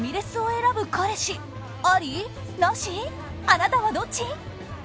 あなたはどっち？